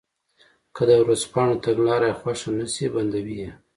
که د ورځپاڼو تګلاره یې خوښه نه شي بندوي یې.